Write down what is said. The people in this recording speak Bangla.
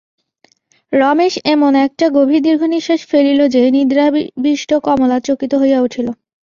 রমেশ এমন একটা গভীর দীর্ঘনিশ্বাস ফেলিল যে, নিদ্রাবিষ্ট কমলা চকিত হইয়া উঠিল।